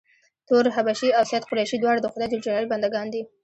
تور حبشي او سید قریشي دواړه د خدای ج بنده ګان دي.